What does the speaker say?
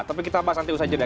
tapi kita bahas nanti usai jeda